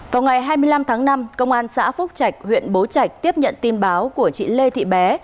vào ngày hai mươi năm tháng năm công an xã phúc trạch huyện bố trạch tiếp nhận tin báo của chị lê thị bé